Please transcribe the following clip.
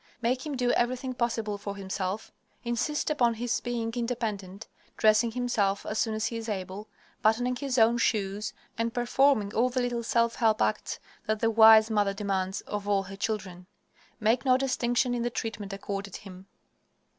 Make him do everything possible for himself. Insist upon his being independent; dressing himself as soon as he is able, buttoning his own shoes, and performing all the little self help acts that the wise mother demands of all her children. Make no distinction in the treatment accorded him.